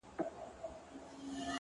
ځوان يوه غټه ساه ورکش کړه؛